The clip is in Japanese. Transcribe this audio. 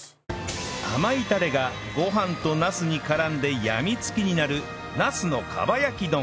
甘いタレがご飯となすに絡んでやみつきになるなすの蒲焼き丼